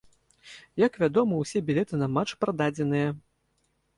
Як вядома, усе білеты на матч прададзеныя.